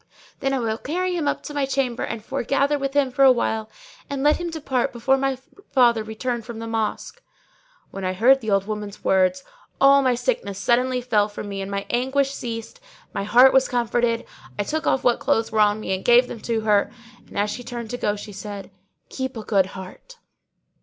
Then I will carry him up to my chamber and foregather with him for a while, and let him depart before my father return from the Mosque.'" When I heard the old woman's words, all my sickness suddenly fell from me, my anguish ceased and my heart was comforted; I took off what clothes were on me and gave them to her and, as she turned to go, she said, "Keep a good heart!"